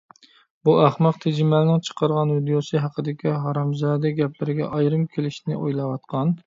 بۇ ئەخمەق تېجىمەلنىڭ چىقارغان ۋىدىيوسى ھەققىدىكى ھارامزەدە گەپلىرىگە ئايرىم كېلىشنى ئويلاۋاتقان.